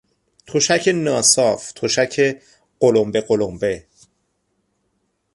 تشک ناصاف، تشک قلمبه قلمبه